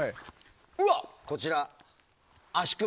こちら、足首。